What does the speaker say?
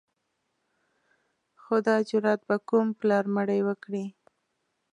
خو دا جرأت به کوم پلار مړی وکړي.